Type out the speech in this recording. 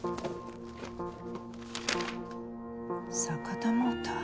「坂田モーター」？